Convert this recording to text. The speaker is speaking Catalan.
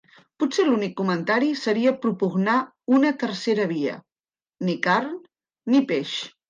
Potser l'únic comentari seria propugnar una tercera via: ni carn ni peix.